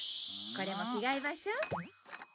これも着替えましょう。